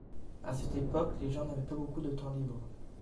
à cette époque, les gens n'avaient pas beacoup de temps libre.